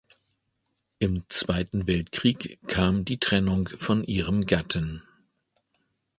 Im Zweiten Weltkrieg kam die Trennung von ihrem Gatten.